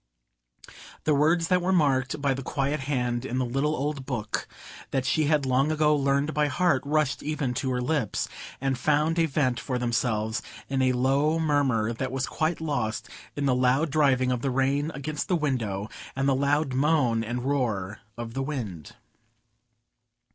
The words that were marked by the quiet hand in the little old book that she had long ago learned by heart, rushed even to her lips, and found a vent for themselves in a low murmur that was quite lost in the loud driving of the rain against the window and the loud moan and roar of the wind.